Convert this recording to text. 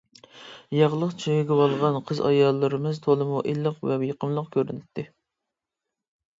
ياغلىق چىگىۋالغان قىز-ئاياللىرىمىز تولىمۇ ئىللىق ۋە يېقىملىق كۆرۈنەتتى.